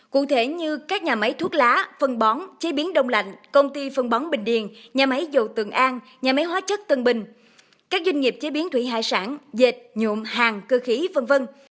cụ thể như các nhà máy thuốc lá phân bón chế biến đông lạnh công ty phân bón bình điền nhà máy dầu tường an nhà máy hóa chất tân bình các doanh nghiệp chế biến thủy hải sản dệt nhuộm hàng cơ khí v v